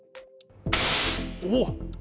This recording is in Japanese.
おっ。